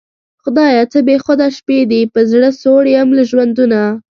خدایه څه بېخونده شپې دي په زړه سوړ یم له ژوندونه